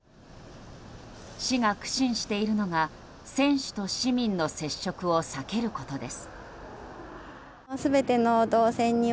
市が苦心しているのが選手と市民の接触を避けることです。